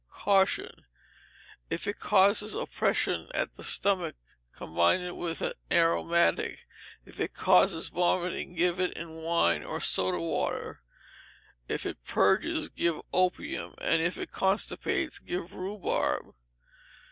Caution. If it causes oppression at the stomach, combine it with an aromatic; if it causes vomiting, give it in wine or soda water; if it purges, give opium; and if it constipates give rhubarb.